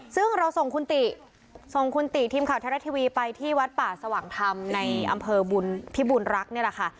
ซึ่งเราส่งคุณติทีมข่าวเทราทีวีไปที่วัดป่าสว่างธรรมในอำเภอพี่บุญรักเนี่ยล่ะค่ะ